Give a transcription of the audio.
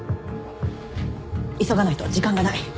急がないと時間がない。